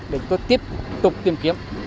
để chúng tôi tiếp tục tìm kiếm